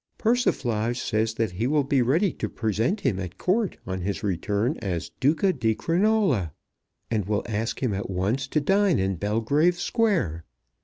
Persiflage says that he will be ready to present him at Court on his return as Duca di Crinola, and will ask him at once to dine in Belgrave Square.